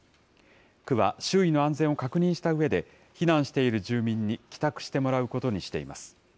区は周囲の安全を確認したうえで、避難している住民に帰宅してもらうことにしています。